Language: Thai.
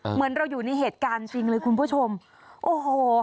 เหมือนเราอยู่ในเหตุการณ์จริงเลยคุณผู้ชมโอ้โห